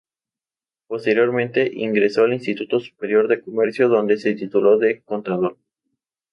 Posteriormente, ingresó al Instituto Superior de Comercio, donde se tituló de Contador.